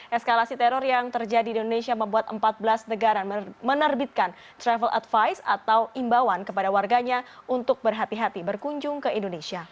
eskalasi teror yang terjadi di indonesia membuat empat belas negara menerbitkan travel advice atau imbauan kepada warganya untuk berhati hati berkunjung ke indonesia